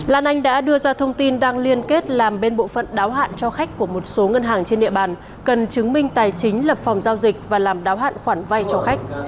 lan anh đã đưa ra thông tin đang liên kết làm bên bộ phận đáo hạn cho khách của một số ngân hàng trên địa bàn cần chứng minh tài chính lập phòng giao dịch và làm đáo hạn khoản vay cho khách